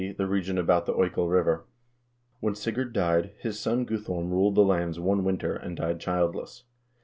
the region about the Oikel River. When Sigurd died, "his son Guthorm ruled the lands one winter, and died childless.